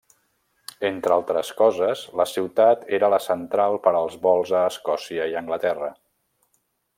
Entre altres coses, la ciutat era la central per als vols a Escòcia i Anglaterra.